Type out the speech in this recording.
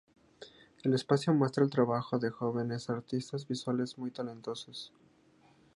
El espacio muestra el trabajo de jóvenes artistas visuales muy talentosos.